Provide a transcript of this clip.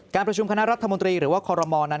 การประชุมคณะรัฐมนตรีหรือว่าคอรมอลนั้น